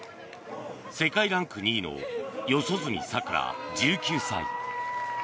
世界ランク２位の四十住さくら、１９歳。